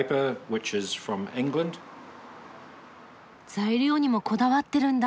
材料にもこだわってるんだ。